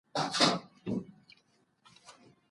که ډاکټر وغواړي، اوږده پاڼه به ړنګه کړي.